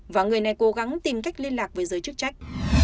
và người này cố gắng tìm cách liên lạc với giới chức trách